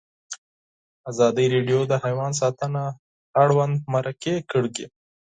ازادي راډیو د حیوان ساتنه اړوند مرکې کړي.